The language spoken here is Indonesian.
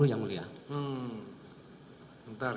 uang ke bu joyce sekitar